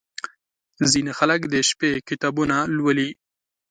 • ځینې خلک د شپې کتابونه لولي.